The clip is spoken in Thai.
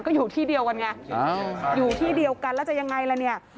ก็อยู่ที่เดียวกันไงอยู่ที่เดียวกันแล้วจะยังไงล่ะเนี่ย